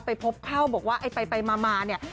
ไปพบเข้าบอกว่าไปมานี่